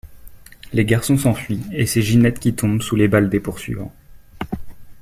Les garçons s'enfuient, et c'est Ginette qui tombe sous les balles des poursuivants.